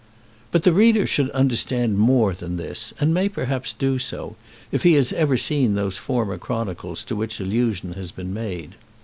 But the reader should understand more than this, and may perhaps do so, if he has ever seen those former chronicles to which allusion has been made.